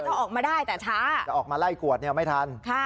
ออกมาได้แต่ช้าจะออกมาไล่กวดเนี่ยไม่ทัน